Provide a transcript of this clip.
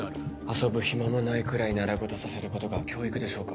遊ぶ暇もないくらい習い事させることが教育でしょうか？